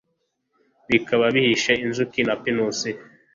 Bikaba bihishe inzuki na pinusi